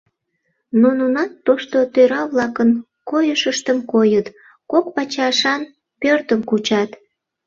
Но нунат тошто тӧра-влакын койышыштым койыт, кок пачашан пӧртым кучат.